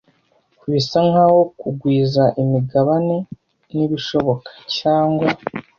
Bisa nkaho kugwiza imigabane nibishoboka, cyangwa